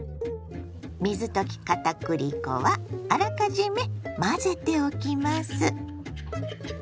水溶きかたくり粉はあらかじめ混ぜておきます。